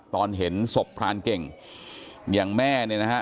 ตอนเห็นศพพรานเก่งอย่างแม่เนี่ยนะฮะ